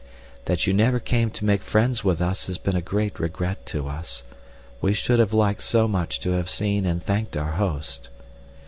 That you never came to make friends with us has been a great regret to us. We should have liked so much to have seen and thanked our host.